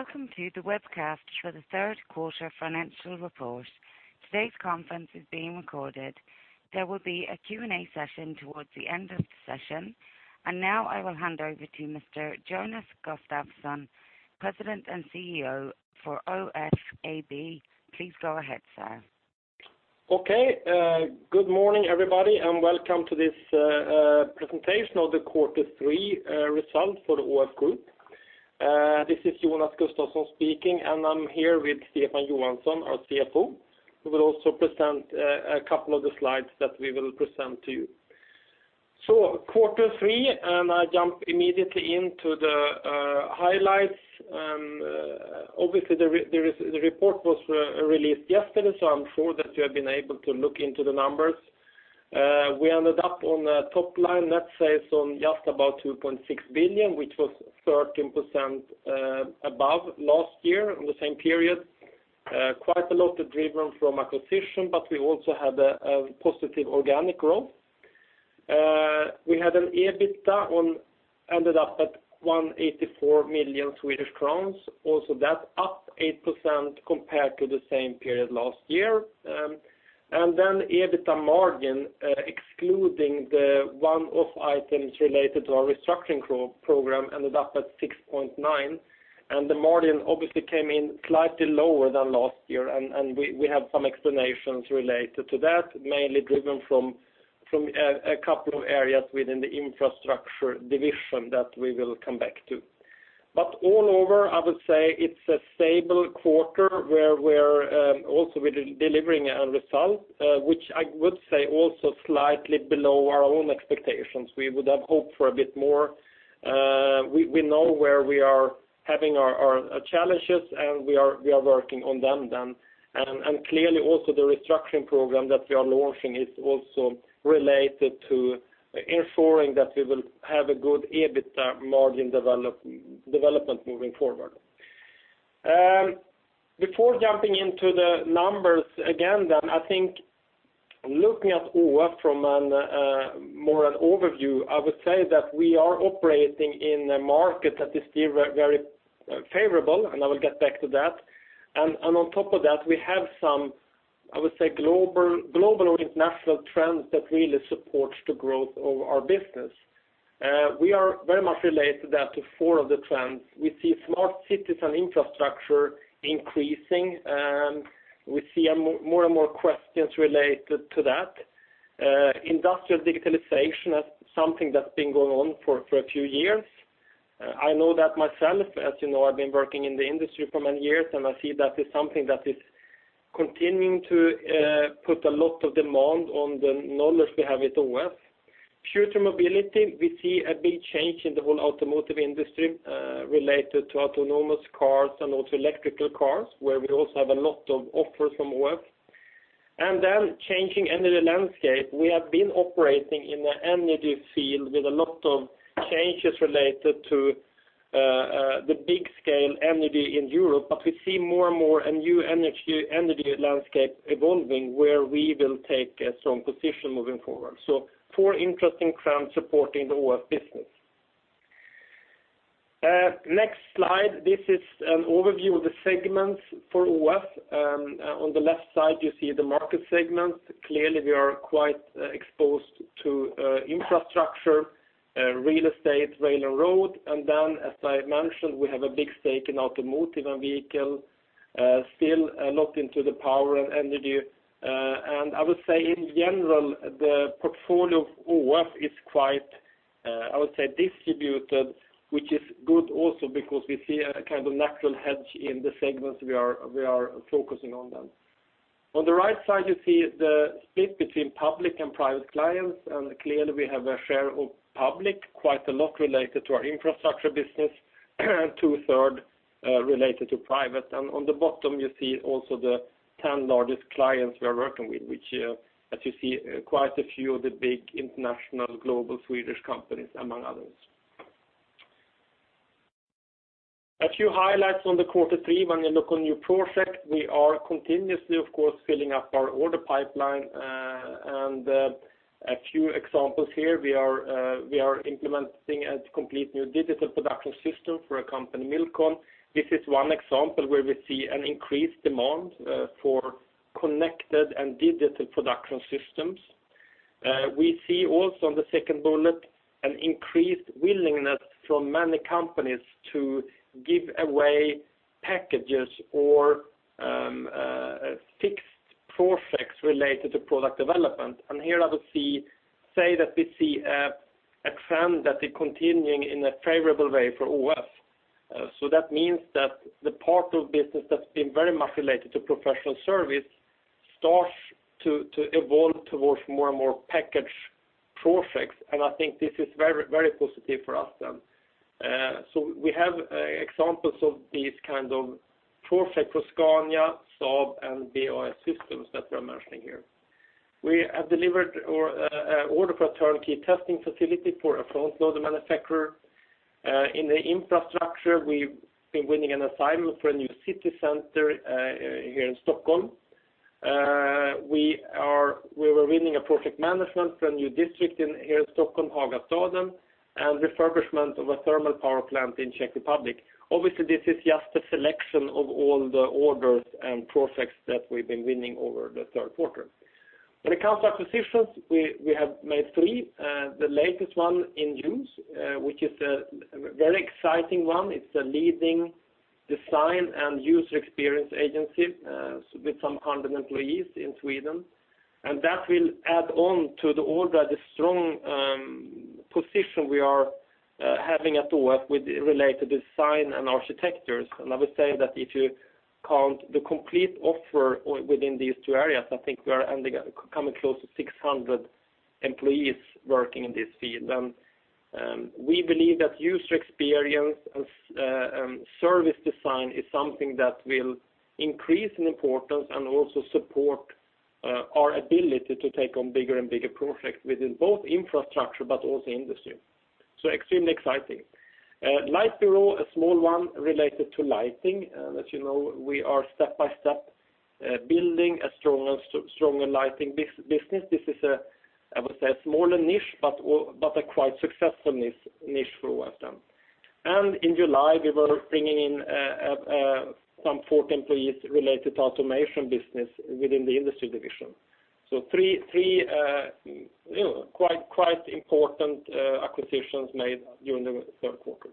Welcome to the webcast for the third quarter financial report. Today's conference is being recorded. There will be a Q&A session towards the end of the session. Now I will hand over to Mr. Jonas Gustavsson, President and CEO for ÅF AB. Please go ahead, sir. Good morning, everybody, welcome to this presentation of the quarter three results for the ÅF group. This is Jonas Gustavsson speaking, I'm here with Stefan Johansson, our CFO, who will also present a couple of the slides that we will present to you. Quarter three, I jump immediately into the highlights. The report was released yesterday, I'm sure that you have been able to look into the numbers. We ended up on the top line net sales on just about 2.6 billion, which was 13% above last year on the same period. Quite a lot driven from acquisition, we also had a positive organic growth. We had an EBITDA ended up at 184 million Swedish crowns. That's up 8% compared to the same period last year. EBITDA margin, excluding the one-off items related to our restructuring program, ended up at 6.9%, the margin obviously came in slightly lower than last year, we have some explanations related to that, mainly driven from a couple of areas within the infrastructure division that we will come back to. All over, I would say it's a stable quarter where we're also delivering a result, which I would say also slightly below our own expectations. We would have hoped for a bit more. We know where we are having our challenges, we are working on them then. Clearly also the restructuring program that we are launching is also related to ensuring that we will have a good EBITDA margin development moving forward. Before jumping into the numbers again, I think looking at ÅF from more an overview, I would say that we are operating in a market that is still very favorable, I will get back to that. On top of that, we have some, I would say global international trends that really support the growth of our business. We are very much related to four of the trends. We see smart cities and infrastructure increasing, we see more and more questions related to that. Industrial digitalization is something that's been going on for a few years. I know that myself. As you know, I've been working in the industry for many years, I see that is something that is continuing to put a lot of demand on the knowledge we have at ÅF. Future mobility, we see a big change in the whole automotive industry related to autonomous cars and also electrical cars, where we also have a lot of offers from work. Changing energy landscape. We have been operating in the energy field with a lot of changes related to the big scale energy in Europe, but we see more and more a new energy landscape evolving where we will take a strong position moving forward. Four interesting trends supporting the ÅF business. Next slide. This is an overview of the segments for ÅF. On the left side, you see the market segments. Clearly, we are quite exposed to infrastructure, real estate, rail, and road. As I mentioned, we have a big stake in automotive and vehicle, still a lot into the power and energy. I would say in general, the portfolio of ÅF is quite, I would say distributed, which is good also because we see a kind of natural hedge in the segments we are focusing on. On the right side, you see the split between public and private clients. Clearly, we have a share of public, quite a lot related to our infrastructure business, two-thirds related to private. On the bottom, you see also the 10 largest clients we are working with, which as you see quite a few of the big international global Swedish companies, among others. A few highlights on the third quarter when you look on new projects, we are continuously, of course, filling up our order pipeline. A few examples here, we are implementing a complete new digital production system for a company, Millcon. This is one example where we see an increased demand for connected and digital production systems. We see also on the second bullet, an increased willingness from many companies to give away packages or fixed projects related to product development. Here I would say that we see a trend that is continuing in a favorable way for ÅF. That means that the part of business that's been very much related to professional service starts to evolve towards more and more packaged projects, and I think this is very positive for us. We have examples of these kinds of projects for Scania, Saab, and BAE Systems that we are mentioning here. We have delivered an order for a turnkey testing facility for a front loader manufacturer. In the infrastructure, we've been winning an assignment for a new city center here in Stockholm. We were winning a project management for a new district here in Stockholm, Hagastaden, and refurbishment of a thermal power plant in Czech Republic. Obviously, this is just a selection of all the orders and projects that we've been winning over the third quarter. When it comes to acquisitions, we have made three, the latest one in June, which is a very exciting one. It's a leading design and user experience agency with some 100 employees in Sweden. That will add on to the already strong position we are having at AFRY related to design and architectures. I would say that if you count the complete offer within these two areas, I think we are coming close to 600 employees working in this field. We believe that user experience and service design is something that will increase in importance and also support our ability to take on bigger and bigger projects within both infrastructure, but also industry. Extremely exciting. Light Bureau, a small one related to lighting. As you know, we are step by step building a stronger lighting business. This is a, I would say, a smaller niche, but a quite successful niche for AFRY. In July, we were bringing in some four employees related to automation business within the industry division. Three quite important acquisitions made during the third quarter.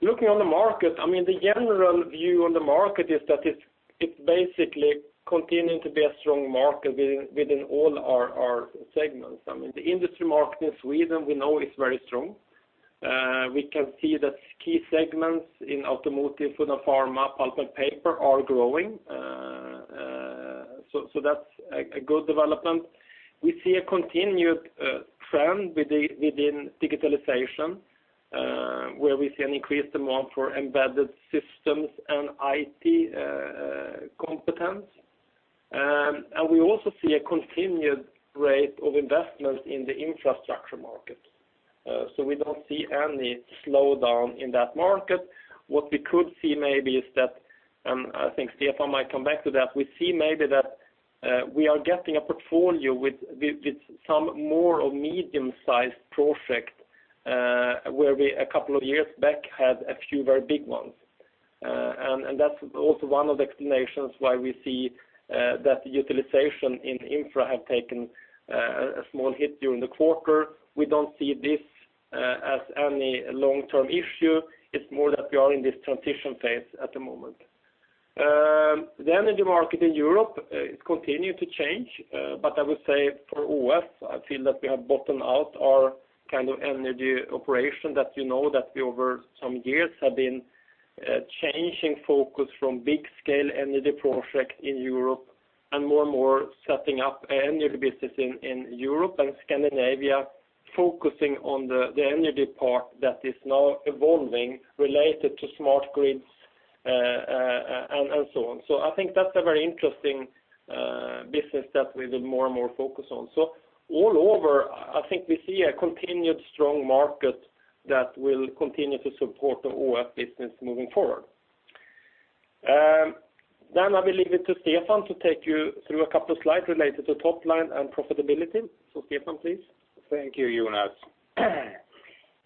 Looking on the market, the general view on the market is that it's basically continuing to be a strong market within all our segments. The industry market in Sweden, we know is very strong. We can see that key segments in automotive, food & pharma, pulp & paper are growing, so that's a good development. We see a continued trend within digitalization, where we see an increased demand for embedded systems and IT competence. We also see a continued rate of investment in the infrastructure market. We don't see any slowdown in that market. What we could see maybe is that, I think Stefan might come back to that, we see maybe that we are getting a portfolio with some more of medium-sized projects, where we, a couple of years back, had a few very big ones. That's also one of the explanations why we see that utilization in infra have taken a small hit during the quarter. We don't see this as any long-term issue. It's more that we are in this transition phase at the moment. The energy market in Europe, it continue to change. But I would say for AFRY, I feel that we have bottomed out our kind of energy operation that you know, that we over some years have been changing focus from big-scale energy projects in Europe and more and more setting up energy business in Europe and Scandinavia, focusing on the energy part that is now evolving related to smart grids and so on. I think that's a very interesting business that we do more and more focus on. All over, I think we see a continued strong market that will continue to support the AFRY business moving forward. I will leave it to Stefan to take you through a couple of slides related to top line and profitability. Stefan, please. Thank you, Jonas.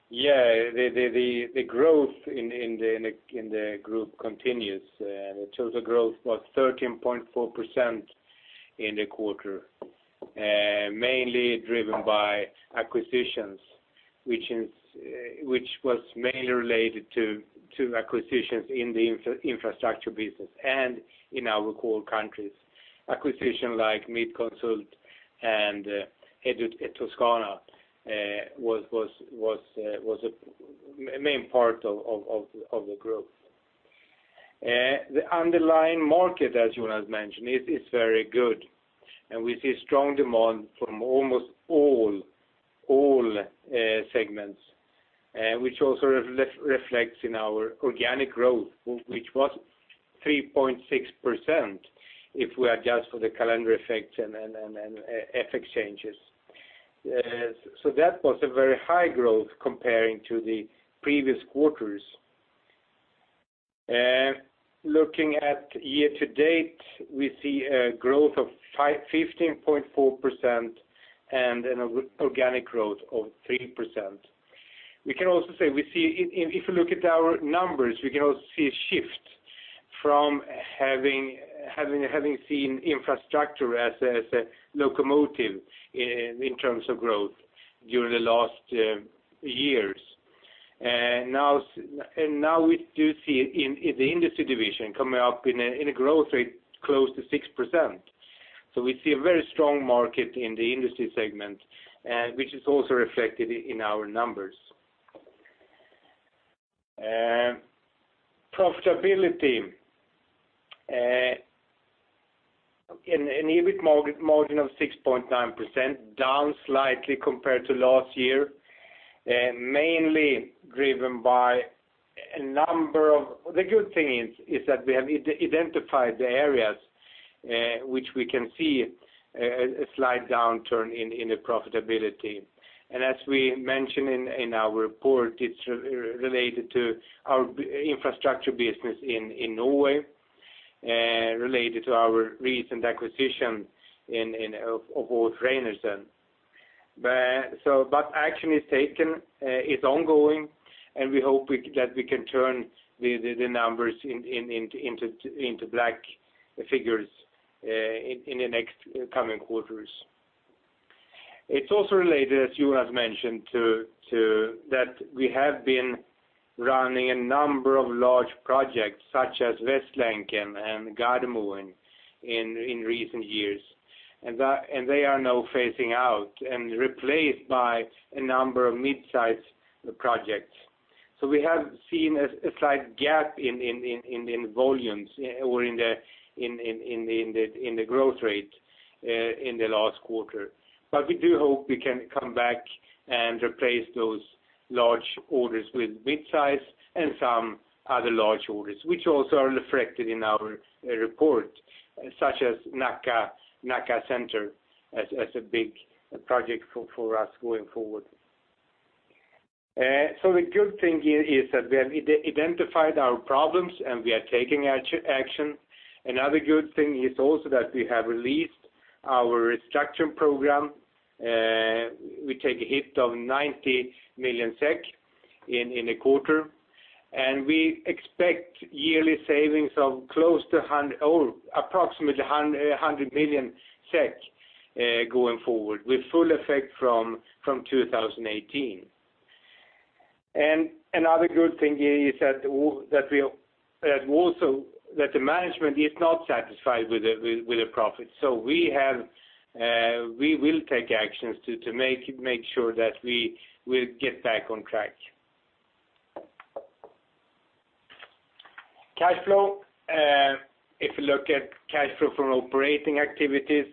The growth in the group continues. The total growth was 13.4% in the quarter, mainly driven by acquisitions, which was mainly related to acquisitions in the infrastructure business and in our core countries. Acquisition like Midtconsult and Toscano was a main part of the group. The underlying market, as Jonas mentioned, is very good, and we see strong demand from almost all segments, which also reflects in our organic growth, which was 3.6% if we adjust for the calendar effect and FX changes. That was a very high growth comparing to the previous quarters. Looking at year to date, we see a growth of 15.4% and an organic growth of 3%. We can also say, if you look at our numbers, we can also see a shift from having seen infrastructure as a locomotive in terms of growth during the last years. We do see the industry division coming up in a growth rate close to 6%. We see a very strong market in the industry segment, which is also reflected in our numbers. Profitability. An EBIT margin of 6.9%, down slightly compared to last year, mainly driven by. The good thing is that we have identified the areas which we can see a slight downturn in the profitability. As we mentioned in our report, it's related to our infrastructure business in Norway, related to our recent acquisition of Ås-Reinertsen. Action is taken, is ongoing, and we hope that we can turn the numbers into black figures in the next coming quarters. It's also related, as Jonas mentioned, to that we have been running a number of large projects such as Västlänken and Gardermoen in recent years. They are now phasing out and replaced by a number of mid-size projects. We have seen a slight gap in volumes or in the growth rate in the last quarter. We do hope we can come back and replace those large orders with mid-size and some other large orders, which also are reflected in our report, such as Nacka Center as a big project for us going forward. The good thing here is that we have identified our problems, and we are taking action. Another good thing is also that we have released our restructuring program. We take a hit of 90 million SEK in a quarter, and we expect yearly savings of approximately 100 million SEK going forward, with full effect from 2018. Another good thing here is that also the management is not satisfied with the profit. We will take actions to make sure that we will get back on track. Cash flow. If you look at cash flow from operating activities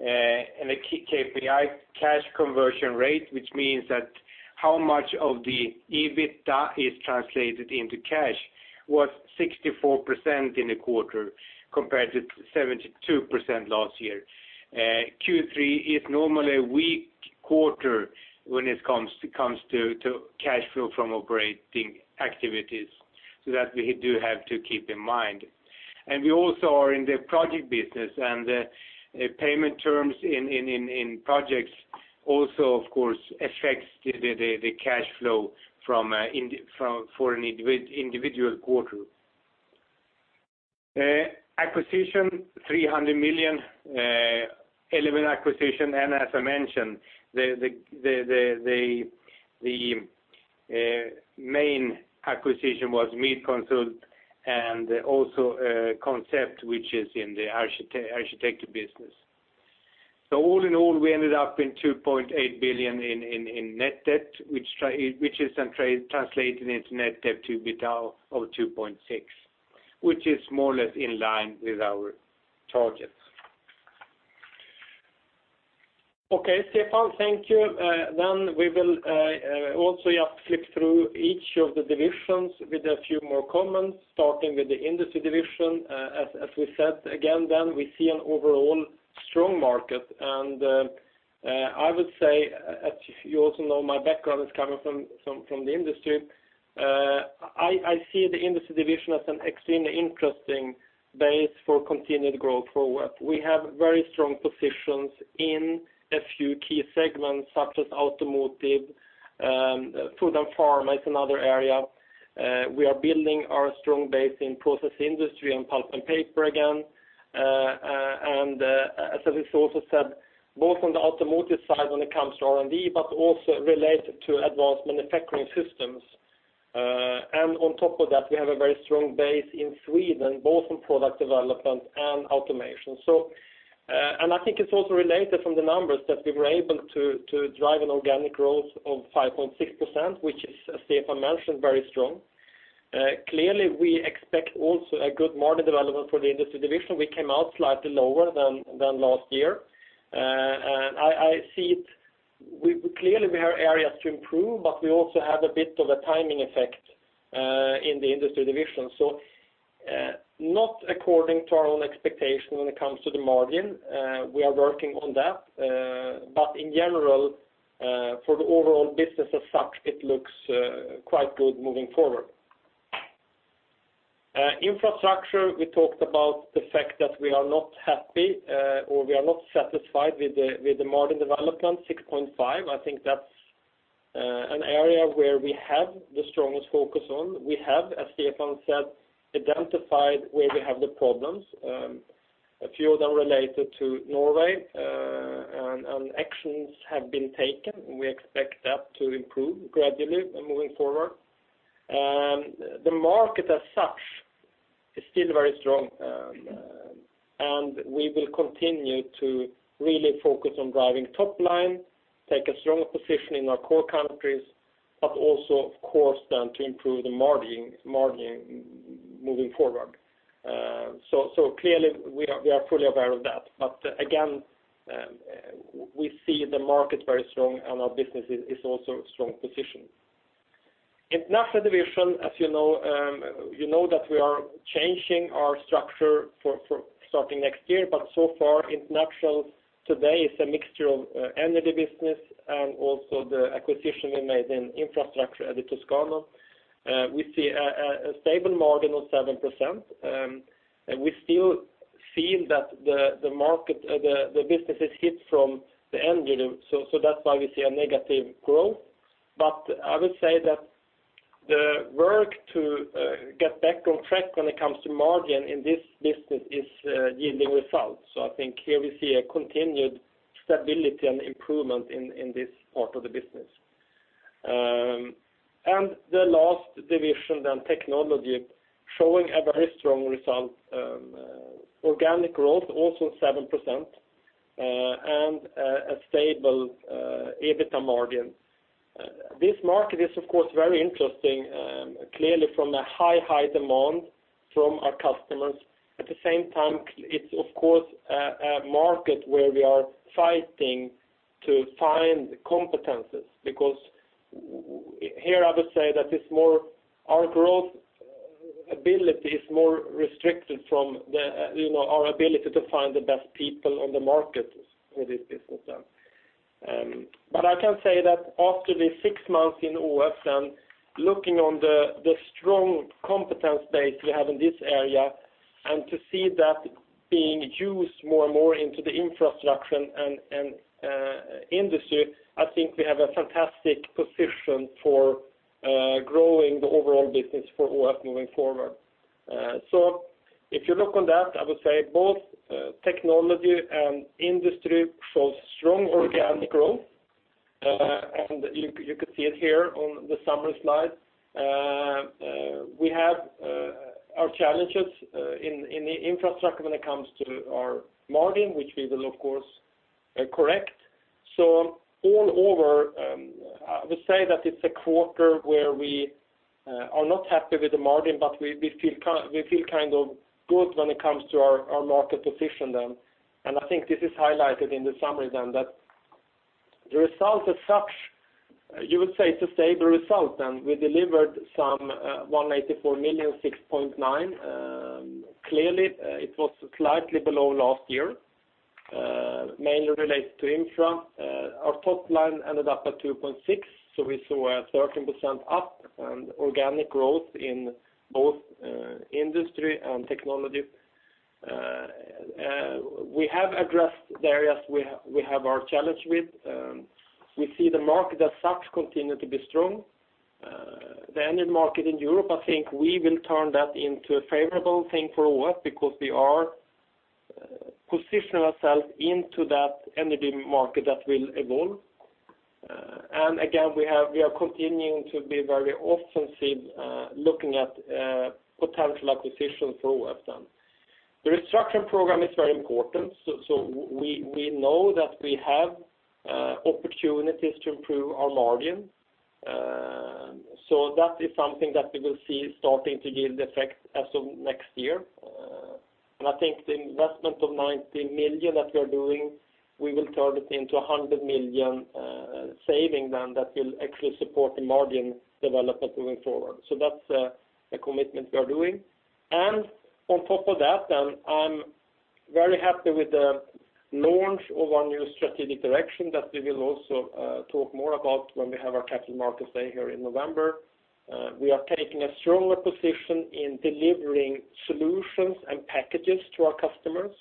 and the key KPI cash conversion rate, which means that how much of the EBITDA is translated into cash, was 64% in the quarter compared to 72% last year. Q3 is normally a weak quarter when it comes to cash flow from operating activities, so that we do have to keep in mind. We also are in the project business, and the payment terms in projects also, of course, affects the cash flow for an individual quarter. Acquisition, 300 million acquisition, as I mentioned, the main acquisition was Midtconsult and also Koncept, which is in the architecture business. All in all, we ended up in 2.8 billion in net debt, which is then translated into net debt to EBITDA of 2.6x, which is more or less in line with our targets. Okay, Stefan, thank you. We will also just flip through each of the divisions with a few more comments, starting with the Industry division. As we said, again, we see an overall strong market, and I would say, as you also know, my background is coming from the industry. I see the Industry division as an extremely interesting base for continued growth forward. We have very strong positions in a few key segments, such as automotive, food & pharma is another area. We are building our strong base in process industry and pulp & paper again, and as is also said, both on the automotive side when it comes to R&D, but also related to advanced manufacturing systems. On top of that, we have a very strong base in Sweden, both on product development and automation. I think it's also related from the numbers that we were able to drive an organic growth of 5.6%, which is, as Stefan mentioned, very strong. Clearly, we expect also a good margin development for the Industry division. We came out slightly lower than last year. Clearly, we have areas to improve, but we also have a bit of a timing effect in the Industry division. Not according to our own expectation when it comes to the margin. We are working on that. In general, for the overall business as such, it looks quite good moving forward. Infrastructure, we talked about the fact that we are not happy, or we are not satisfied with the margin development, 6.5%. I think that's an area where we have the strongest focus on. We have, as Stefan said, identified where we have the problems, a few of them related to Norway, and actions have been taken, and we expect that to improve gradually moving forward. The market as such is still very strong, we will continue to really focus on driving top line, take a stronger position in our core countries, but also, of course, to improve the margin moving forward. Clearly, we are fully aware of that. Again, we see the market very strong and our business is also strong position. International division, you know that we are changing our structure starting next year, but so far international today is a mixture of energy business and also the acquisition we made in infrastructure at Toscano. We see a stable margin of 7%, and we still feel that the businesses hit from the energy. That's why we see a negative growth. I would say that the work to get back on track when it comes to margin in this business is yielding results. I think here we see a continued stability and improvement in this part of the business. The last division, technology, showing a very strong result. Organic growth also 7% and a stable EBITDA margin. This market is of course very interesting, clearly from a high demand from our customers. At the same time, it's of course, a market where we are fighting to find competencies, because here I would say that our growth ability is more restricted from our ability to find the best people on the market for this business. I can say that after the six months in AFRY, looking on the strong competence base we have in this area, and to see that being used more and more into the infrastructure and industry, I think we have a fantastic position for growing the overall business for AFRY moving forward. If you look on that, I would say both technology and industry shows strong organic growth, and you could see it here on the summary slide. We have our challenges in the infrastructure when it comes to our margin, which we will of course correct. All over, I would say that it's a quarter where we are not happy with the margin, but we feel kind of good when it comes to our market position then, and I think this is highlighted in the summary then that the result as such, you would say it's a stable result, and we delivered some 184 million, 6.9%. Clearly, it was slightly below last year, mainly related to infra. Our top line ended up at 2.6 billion, so we saw a 13% up and organic growth in both industry and technology. We have addressed the areas we have our challenge with. We see the market as such continue to be strong. The energy market in Europe, I think we will turn that into a favorable thing for AFRY because we are positioning ourselves into that energy market that will evolve. Again, we are continuing to be very offensive, looking at potential acquisitions for AFRY. The restructuring program is very important. We know that we have opportunities to improve our margin. That is something that we will see starting to yield effect as of next year. I think the investment of 90 million that we are doing, we will turn it into 100 million saving then that will actually support the margin development moving forward. That's a commitment we are doing. On top of that, I'm very happy with the launch of our new strategic direction that we will also talk more about when we have our Capital Markets Day here in November. We are taking a stronger position in delivering solutions and packages to our customers.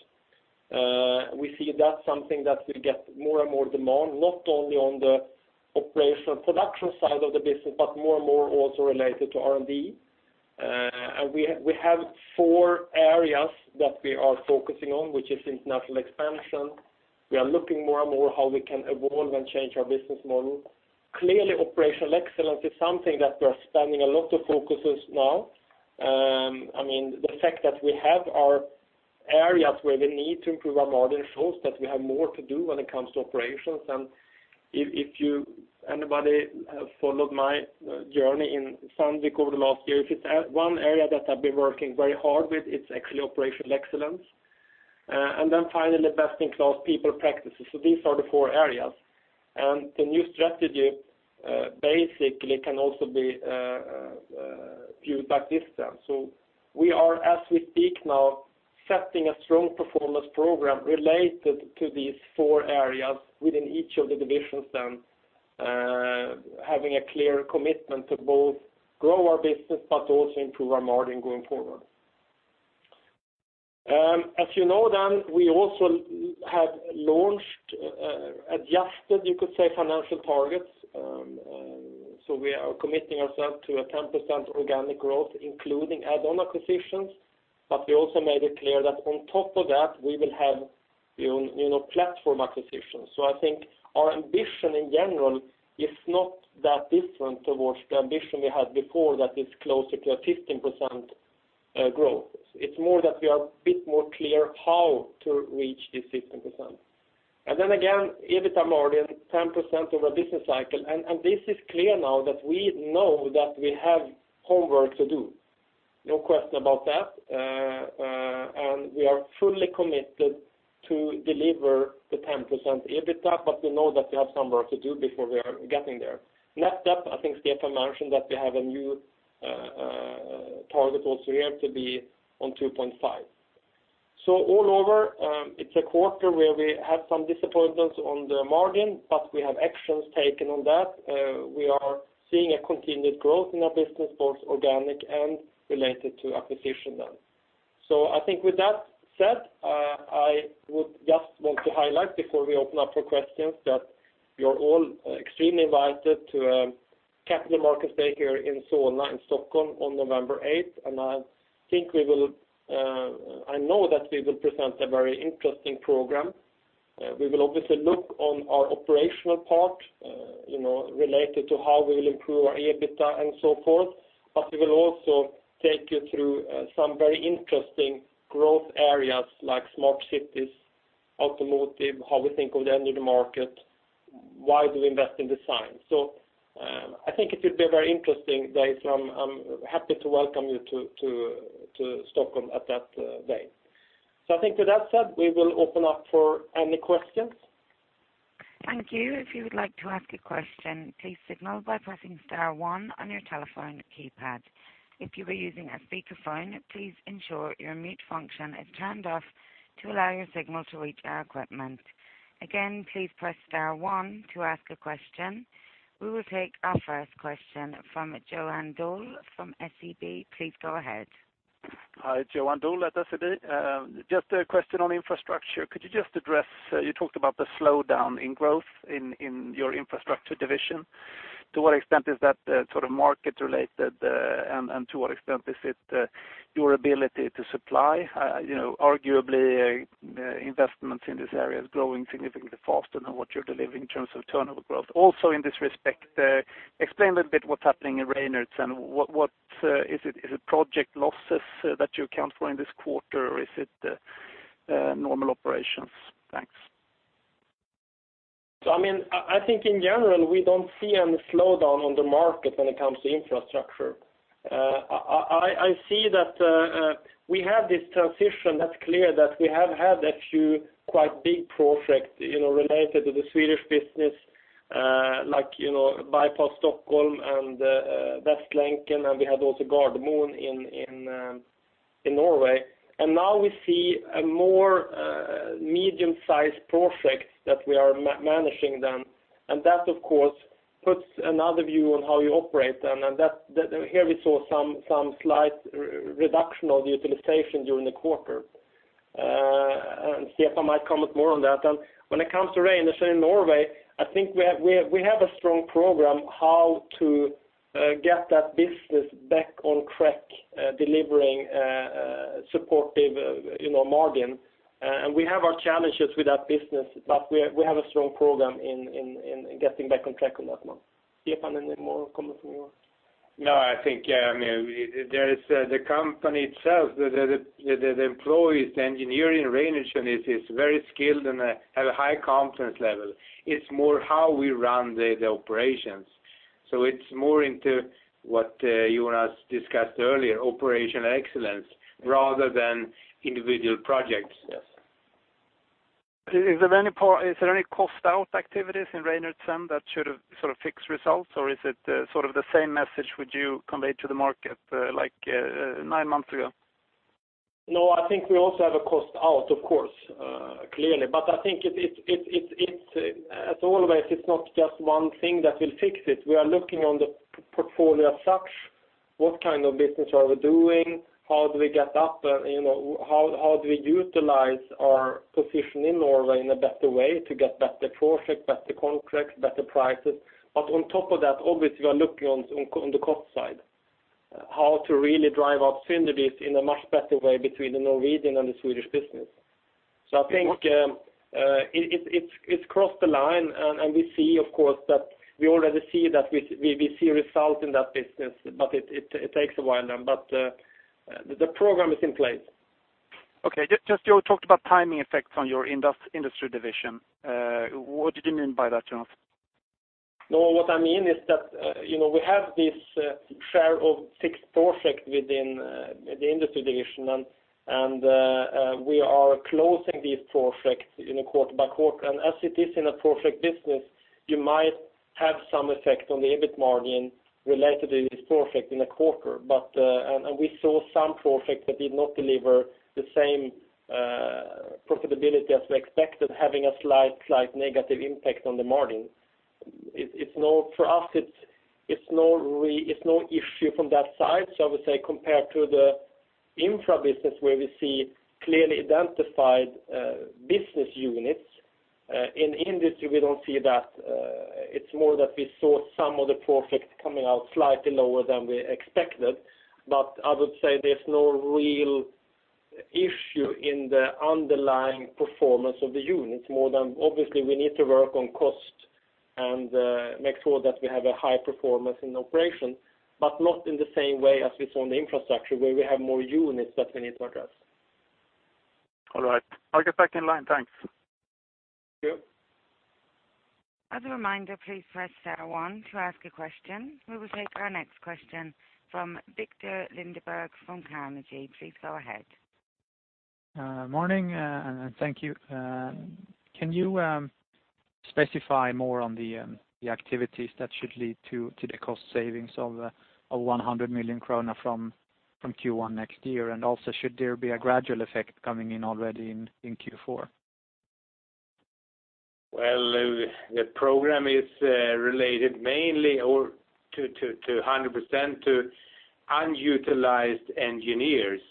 We see that's something that will get more and more demand, not only on the operational production side of the business, but more and more also related to R&D. We have four areas that we are focusing on, which is international expansion. We are looking more and more how we can evolve and change our business model. Clearly, operational excellence is something that we are spending a lot of focuses now. The fact that we have our areas where we need to improve our margin shows that we have more to do when it comes to operations. If anybody followed my journey in Sandvik over the last year, if it's one area that I've been working very hard with, it's actually operational excellence. Then finally, best-in-class people practices. These are the four areas. The new strategy basically can also be viewed like this then. We are, as we speak now, setting a strong performance program related to these four areas within each of the divisions then, having a clear commitment to both grow our business but also improve our margin going forward. As you know, we also have launched adjusted, you could say, financial targets. We are committing ourselves to a 10% organic growth, including add-on acquisitions. We also made it clear that on top of that, we will have platform acquisitions. I think our ambition in general is not that different towards the ambition we had before that is closer to a 15% growth. It's more that we are a bit more clear how to reach this 15%. Again, EBITDA margin, 10% over a business cycle, and this is clear now that we know that we have homework to do. No question about that. We are fully committed to deliver the 10% EBITDA, but we know that we have some work to do before we are getting there. Next up, I think Stefan mentioned that we have a new target also here to be on 2.5. All over, it's a quarter where we had some disappointments on the margin, but we have actions taken on that. We are seeing a continued growth in our business, both organic and related to acquisition then. I think with that said, I would just want to highlight before we open up for questions that you're all extremely invited to a capital markets day here in Solna, in Stockholm on November 8th. I know that we will present a very interesting program. We will obviously look on our operational part, related to how we'll improve our EBITDA and so forth. We will also take you through some very interesting growth areas like smart cities, automotive, how we think of the end of the market, why do we invest in design. I think it will be a very interesting day. I'm happy to welcome you to Stockholm at that day. I think with that said, we will open up for any questions. Thank you. If you would like to ask a question, please signal by pressing star one on your telephone keypad. If you are using a speakerphone, please ensure your mute function is turned off to allow your signal to reach our equipment. Again, please press star one to ask a question. We will take our first question from Johan Dahl from SEB. Please go ahead. Hi, Johan Dahl at SEB. Just a question on infrastructure. Could you just address, you talked about the slowdown in growth in your infrastructure division. To what extent is that sort of market related, and to what extent is it your ability to supply? Arguably, investments in this area is growing significantly faster than what you're delivering in terms of turnover growth. Also in this respect, explain a little bit what's happening in Reinertsen. Is it project losses that you account for in this quarter, or is it normal operations? Thanks. I think in general, we don't see any slowdown on the market when it comes to infrastructure. I see that we have this transition, that's clear, that we have had a few quite big projects related to the Swedish business, like Förbifart Stockholm and Västlänken, and we had also Gardermoen in Norway. Now we see a more medium-sized projects that we are managing them, and that of course puts another view on how you operate them, and here we saw some slight reduction of the utilization during the quarter. Stefan might comment more on that. When it comes to Reinertsen in Norway, I think we have a strong program how to get that business back on track, delivering supportive margin. We have our challenges with that business, but we have a strong program in getting back on track on that one. Stefan, any more comment from you? I think the company itself, the employees, the engineering Reinertsen is very skilled and have a high confidence level. It's more how we run the operations. It's more into what Jonas discussed earlier, operational excellence rather than individual projects. Yes. Is there any cost out activities in Reinertsen that should sort of fix results, or is it sort of the same message would you convey to the market like nine months ago? I think we also have a cost out, of course, clearly. I think as always, it's not just one thing that will fix it. We are looking on the portfolio as such. What kind of business are we doing? How do we get up? How do we utilize our position in Norway in a better way to get better projects, better contracts, better prices? On top of that, obviously, we are looking on the cost side, how to really drive out synergies in a much better way between the Norwegian and the Swedish business. I think it's crossed the line, and we see, of course, that we already see results in that business, it takes a while then. The program is in place. Okay. Just you talked about timing effects on your industry division. What did you mean by that, Jonas? What I mean is that we have this share of six projects within the industry division, and we are closing these projects in a quarter by quarter. As it is in a project business, you might have some effect on the EBIT margin related to this project in a quarter. We saw some projects that did not deliver the same profitability as we expected, having a slight negative impact on the margin. For us, it's no issue from that side. I would say compared to the infra business where we see clearly identified business units, in industry, we don't see that. It's more that we saw some of the projects coming out slightly lower than we expected. I would say there's no real issue in the underlying performance of the units, more than obviously we need to work on cost and make sure that we have a high performance in operation, but not in the same way as we saw in the infrastructure where we have more units that we need to address. All right. I'll get back in line. Thanks. Thank you. As a reminder, please press star one to ask a question. We will take our next question from Viktor Lindeberg from Carnegie. Please go ahead. Morning, thank you. Can you specify more on the activities that should lead to the cost savings of 100 million krona from Q1 next year? Also should there be a gradual effect coming in already in Q4? Well, the program is related mainly or 100% to unutilized engineers.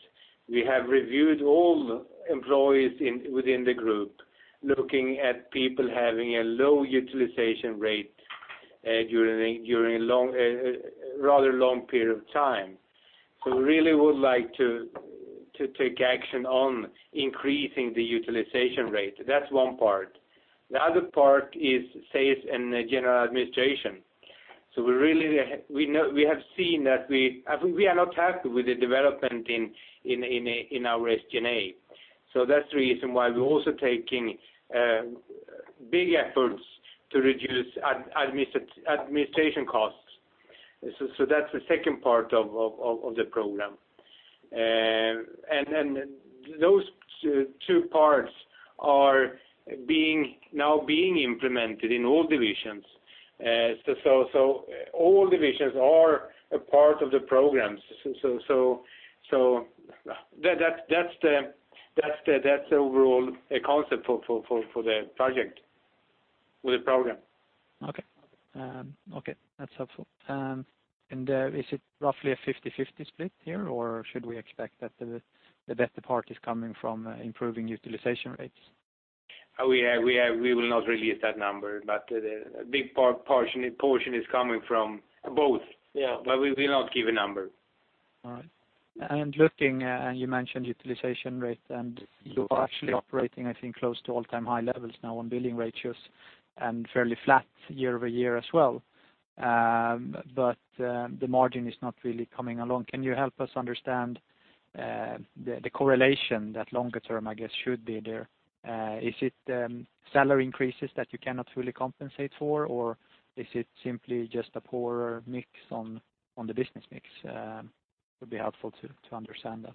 We have reviewed all employees within the group, looking at people having a low utilization rate during a rather long period of time. We really would like to take action on increasing the utilization rate. That's one part. The other part is sales and general administration. We are not happy with the development in our SG&A. That's the reason why we're also taking big efforts to reduce administration costs. That's the second part of the program. Those two parts are now being implemented in all divisions. All divisions are a part of the programs. That's the overall concept for the project, for the program. Okay. That's helpful. Is it roughly a 50/50 split here, or should we expect that the better part is coming from improving utilization rates? We will not release that number, a big portion is coming from both. We will not give a number. All right. You mentioned utilization rate, you are actually operating, I think, close to all-time high levels now on billing ratios, and fairly flat year-over-year as well. The margin is not really coming along. Can you help us understand the correlation that longer term, I guess, should be there? Is it salary increases that you cannot really compensate for, or is it simply just a poorer mix on the business mix? Would be helpful to understand that.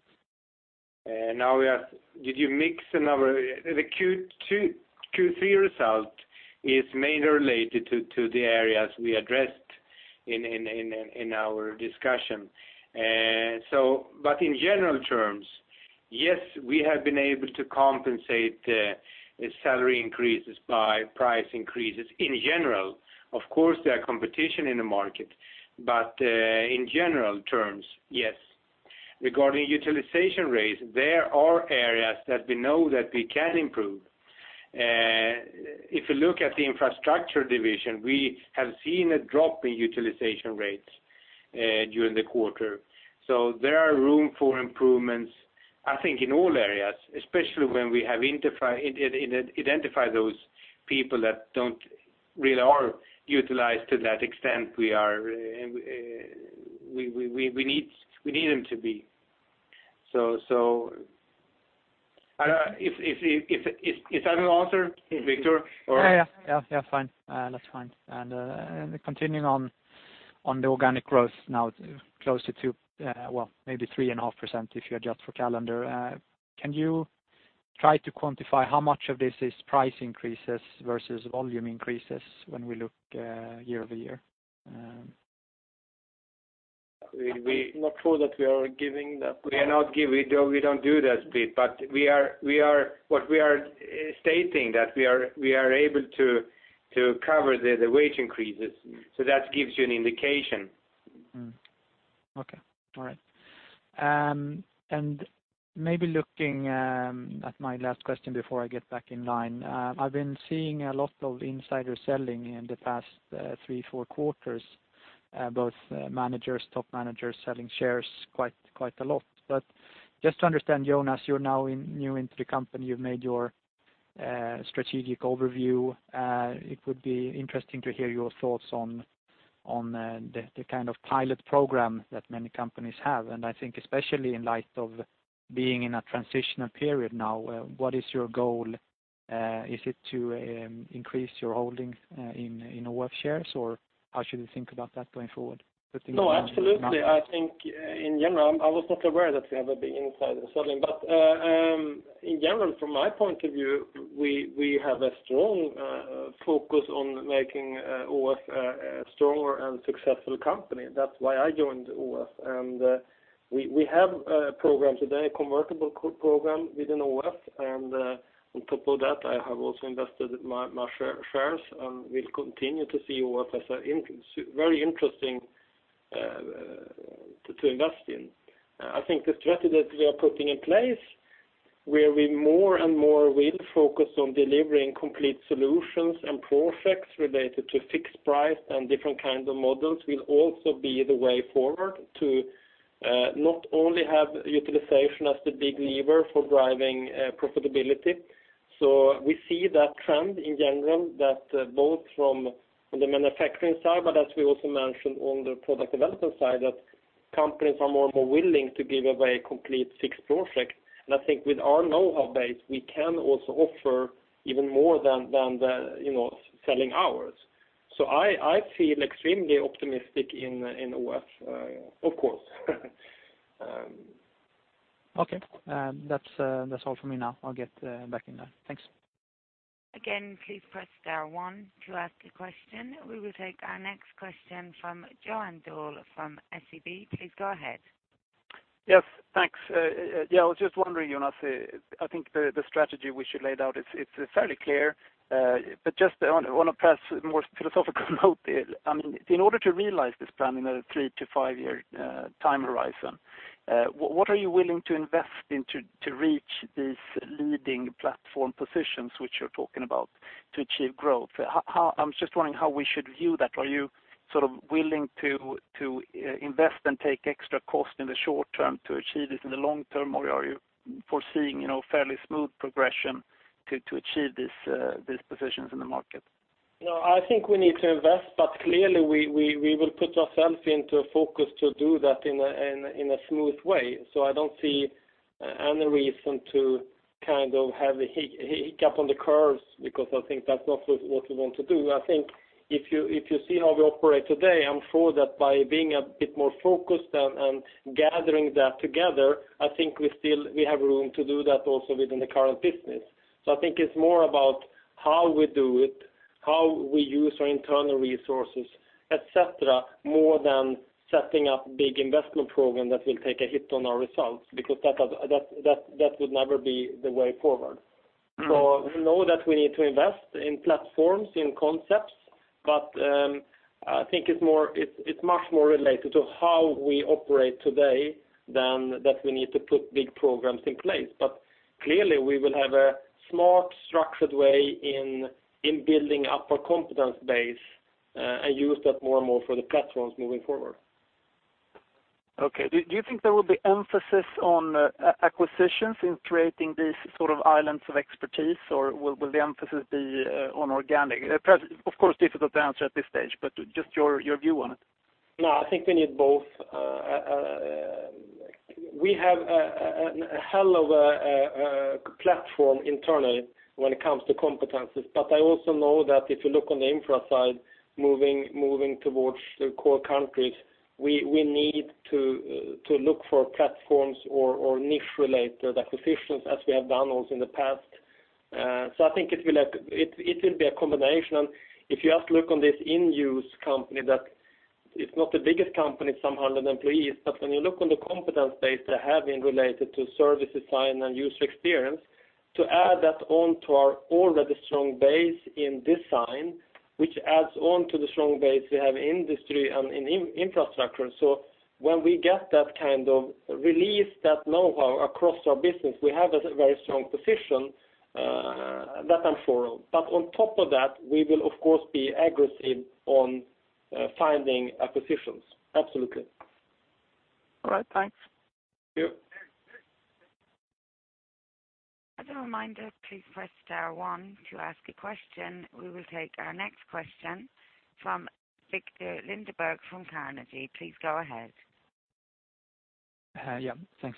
The Q3 result is mainly related to the areas we addressed in our discussion. In general terms, yes, we have been able to compensate the salary increases by price increases in general. Of course, there are competition in the market. In general terms, yes. Regarding utilization rates, there are areas that we know that we can improve. If you look at the infrastructure division, we have seen a drop in utilization rates during the quarter. There are room for improvements, I think, in all areas, especially when we have identified those people that don't really are utilized to that extent we need them to be. If that will answer, Viktor? Yeah. That's fine. Continuing on the organic growth now, closer to, well, maybe 3.5% if you adjust for calendar. Can you try to quantify how much of this is price increases versus volume increases when we look year-over-year? It's not true that we are giving that. We don't do that. What we are stating that we are able to cover the wage increases. That gives you an indication. Okay. All right. Maybe looking at my last question before I get back in line. I've been seeing a lot of insider selling in the past three, four quarters, both managers, top managers selling shares quite a lot. Just to understand, Jonas, you're now new into the company. You've made your strategic overview. It would be interesting to hear your thoughts on the kind of pilot program that many companies have, and I think especially in light of being in a transitional period now, what is your goal? Is it to increase your holdings in AFRY shares, or how should we think about that going forward? No, absolutely. I was not aware that there have been insider selling. In general, from my point of view, we have a strong focus on making AFRY a stronger and successful company. That's why I joined AFRY. We have a program today, a convertible program within AFRY. On top of that, I have also invested my shares, and will continue to see what is very interesting to invest in. I think the strategy that we are putting in place, where we more and more will focus on delivering complete solutions and projects related to fixed price and different kinds of models will also be the way forward to not only have utilization as the big lever for driving profitability. We see that trend in general, that both on the manufacturing side, as we also mentioned on the product development side, that companies are more and more willing to give away complete fixed projects. I think with our knowhow base, we can also offer even more than selling ours. I feel extremely optimistic in the work, of course. Okay. That's all from me now. I'll get back in there. Thanks. Again, please press star one to ask a question. We will take our next question from Johan Dahl from SEB. Please go ahead. Yes, thanks. I was just wondering, Jonas, I think the strategy which you laid out it's fairly clear, but just want to press more philosophical note. In order to realize this plan in a three to five-year time horizon, what are you willing to invest in to reach these leading platform positions which you're talking about to achieve growth? I'm just wondering how we should view that. Are you willing to invest and take extra cost in the short term to achieve this in the long term, or are you foreseeing fairly smooth progression to achieve these positions in the market? No, I think we need to invest, but clearly we will put ourself into a focus to do that in a smooth way. I don't see any reason to have a hiccup on the curves, because I think that's not what we want to do. I think if you see how we operate today, I'm sure that by being a bit more focused and gathering that together, I think we have room to do that also within the current business. I think it's more about how we do it, how we use our internal resources, et cetera, more than setting up big investment program that will take a hit on our results, because that would never be the way forward. We know that we need to invest in platforms, in concepts, I think it's much more related to how we operate today than that we need to put big programs in place. Clearly we will have a smart, structured way in building up our competence base, and use that more and more for the platforms moving forward. Okay. Do you think there will be emphasis on acquisitions in creating these islands of expertise, or will the emphasis be on organic? Of course, difficult to answer at this stage, just your view on it. No, I think we need both. We have a hell of a platform internally when it comes to competencies, I also know that if you look on the infra side, moving towards the core countries, we need to look for platforms or niche-related acquisitions as we have done also in the past. I think it will be a combination, if you just look on this inUse company, that it's not the biggest company, some 100 employees, when you look on the competence base they have been related to service design and user experience, to add that on to our already strong base in design, which adds on to the strong base we have industry and in infrastructure. When we get that kind of release, that knowhow across our business, we have a very strong position, that I'm sure of. On top of that, we will of course be aggressive on finding acquisitions. Absolutely. All right. Thanks. Thank you. As a reminder, please press star one to ask a question. We will take our next question from Viktor Lindeberg from Carnegie. Please go ahead. Yeah, thanks.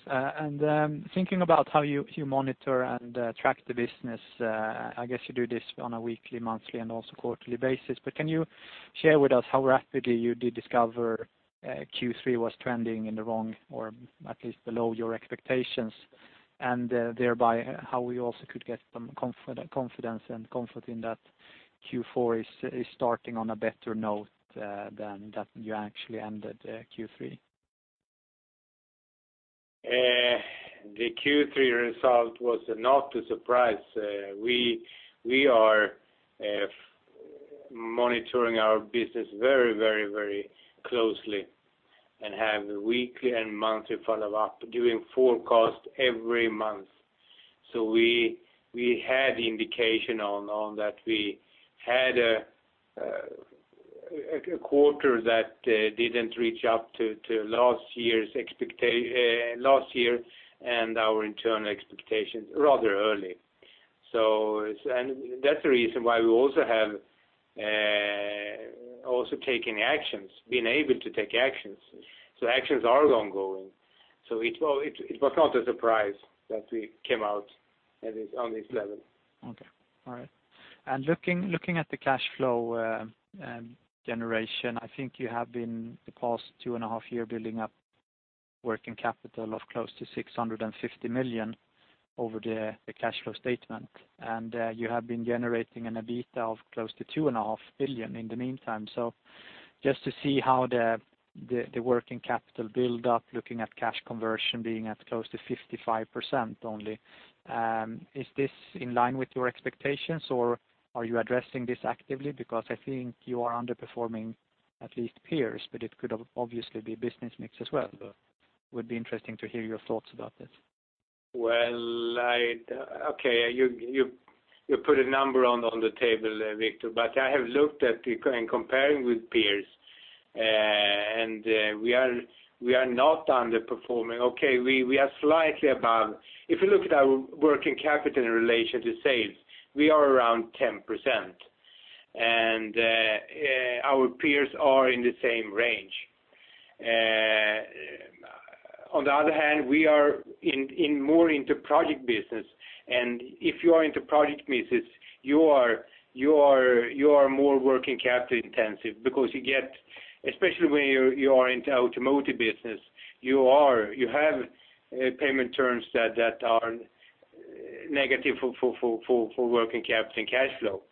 Thinking about how you monitor and track the business, I guess you do this on a weekly, monthly and also quarterly basis, but can you share with us how rapidly you did discover Q3 was trending in the wrong, or at least below your expectations? Thereby how we also could get some confidence and comfort in that Q4 is starting on a better note than you actually ended Q3. The Q3 result was not a surprise. We are monitoring our business very closely, and have weekly and monthly follow-up, doing forecast every month. We had indication on that. We had a quarter that didn't reach up to last year and our internal expectations rather early. That's the reason why we also have taken actions, been able to take actions. Actions are ongoing. It was not a surprise that we came out on this level. Okay. All right. Looking at the cash flow generation, I think you have been, the past two and a half years, building up working capital of close to 650 million over the cash flow statement. You have been generating an EBITDA of close to 2.5 billion in the meantime. Just to see how the working capital build up, looking at cash conversion being at close to 55% only, is this in line with your expectations or are you addressing this actively? I think you are underperforming at least peers, it could obviously be business mix as well. Would be interesting to hear your thoughts about this. Well, okay. You put a number on the table, Viktor. I have looked at in comparing with peers. We are not underperforming. Okay, we are slightly above. If you look at our working capital in relation to sales, we are around 10%, our peers are in the same range. On the other hand, we are more into project business, if you are into project business, you are more working capital intensive because, especially when you are into automotive business, you have payment terms that are negative for working capital and cash flow.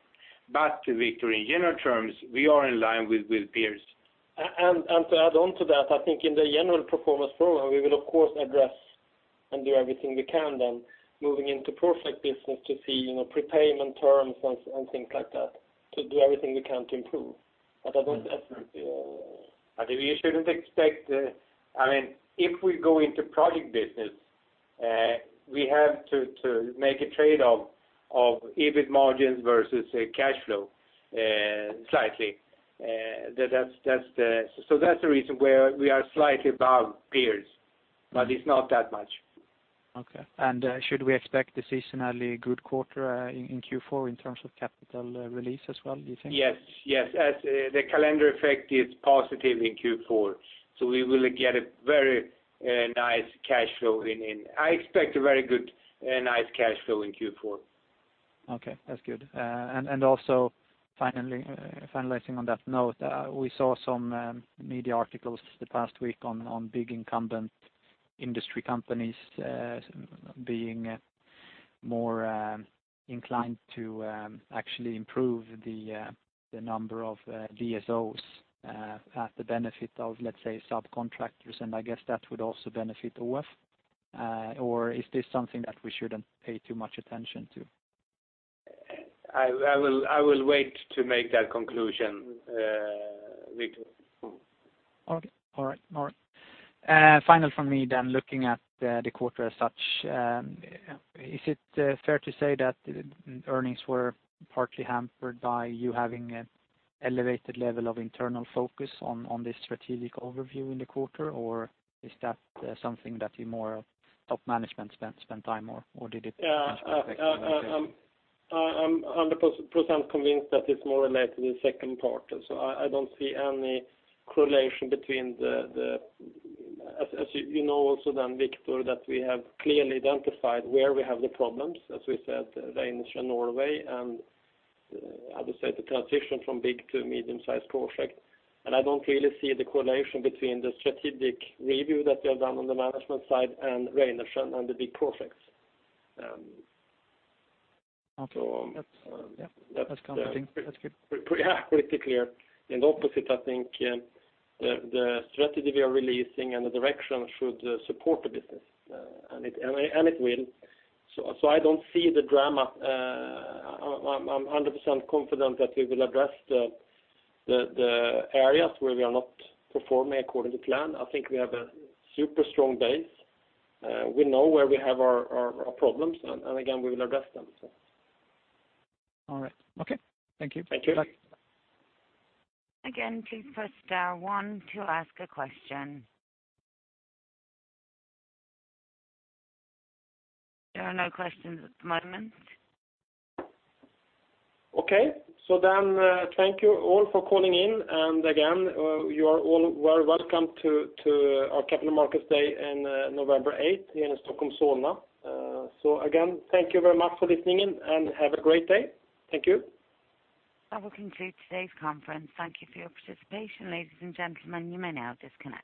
Viktor, in general terms, we are in line with peers. To add on to that, I think in the general performance program, we will of course address and do everything we can then moving into perfect business to see prepayment terms and things like that to do everything we can to improve. You shouldn't expect If we go into project business, we have to make a trade-off of EBIT margins versus cash flow, slightly. That's the reason why we are slightly above peers, but it's not that much. Okay. Should we expect a seasonally good quarter in Q4 in terms of capital release as well, do you think? Yes. As the calendar effect is positive in Q4, we will get a very nice cash flow. I expect a very good, nice cash flow in Q4. Okay, that's good. Also finalizing on that note, we saw some media articles this past week on big incumbent industry companies being more inclined to actually improve the number of DSO at the benefit of, let's say, subcontractors, I guess that would also benefit us. Is this something that we shouldn't pay too much attention to? I will wait to make that conclusion, Viktor. Okay. All right. Final from me. Looking at the quarter as such, is it fair to say that earnings were partly hampered by you having an elevated level of internal focus on this strategic overview in the quarter? Is that something that you more top management spent time on? I'm 100% convinced that it's more related to the second part. I don't see any correlation. As you know also then, Viktor, that we have clearly identified where we have the problems, as we said, Reinertsen Norway, and I would say the transition from big to medium-sized project. I don't really see the correlation between the strategic review that we have done on the management side and Reinertsen and the big projects. Okay. Yep. That's comforting. That's good. Yeah, pretty clear. In the opposite, I think the strategy we are releasing and the direction should support the business, and it will. I don't see the drama. I'm 100% confident that we will address the areas where we are not performing according to plan. I think we have a super strong base. We know where we have our problems, and again, we will address them. All right. Okay. Thank you. Thank you. Bye. Please press star one to ask a question. There are no questions at the moment. Thank you all for calling in. You are all very welcome to our Capital Markets Day in November 8th, here in Stockholm, Solna. Thank you very much for listening in, and have a great day. Thank you. That will conclude today's conference. Thank you for your participation, ladies and gentlemen. You may now disconnect.